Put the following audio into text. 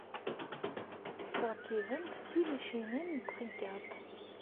Tettṛekkibemt timacinin n txeyyaḍt.